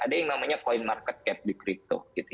ada yang namanya coin market cap di crypto